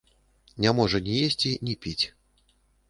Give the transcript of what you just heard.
Не можа ні есці, ні піць.